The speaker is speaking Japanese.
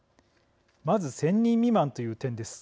まず１０００人未満という点です。